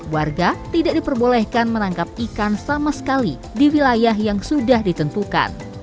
warga tidak diperbolehkan menangkap ikan sama sekali di wilayah yang sudah ditentukan